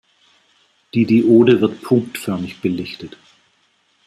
Die Diode wird punktförmig belichtet.